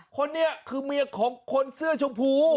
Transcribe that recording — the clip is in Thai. คนนี้คือเมียของคนเสื้อชมพู